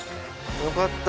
よかった。